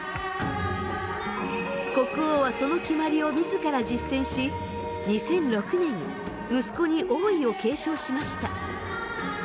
国王はその決まりを自ら実践し２００６年息子に王位を継承しました。